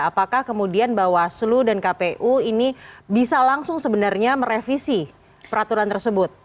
apakah kemudian bawaslu dan kpu ini bisa langsung sebenarnya merevisi peraturan tersebut